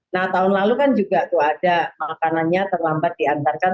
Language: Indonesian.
nah tahun lalu kan juga tuh ada makanannya terlambat diantarkan